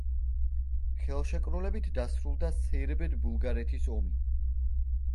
ხელშეკრულებით დასრულდა სერბეთ-ბულგარეთის ომი.